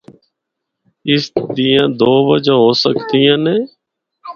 اس دیاں دو وجہاں ہو سکدیاں نیں۔